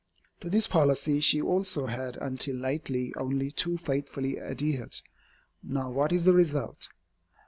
To this policy she also has until lately only too faithfully adhered. Now what is the result?